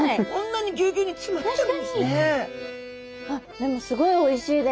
でもすごいおいしいです。